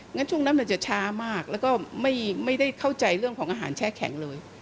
งั้นช่วงนั้นมันจะช้ามากแล้วก็ไม่ได้เข้าใจเรื่องของอาหารแช่แข็งเลย